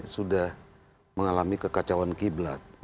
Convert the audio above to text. sudah mengalami kekacauan kiblat